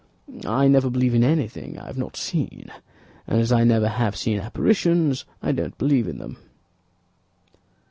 "I never believe in anything I have not seen, and as I never have seen apparitions, I don't believe in them."